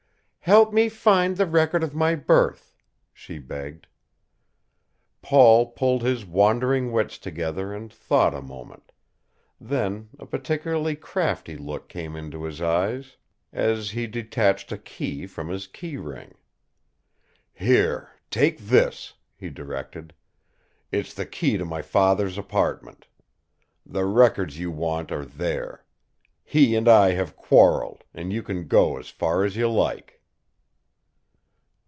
"Help me find the record of my birth," she begged. Paul pulled his wandering wits together and thought a moment; then a particularly crafty look came into his eyes as he detached a key from his key ring. "Here, take this," he directed. "It's the key to my father's apartment. The records you want are there. He and I have quarreled and you can go as far as you like."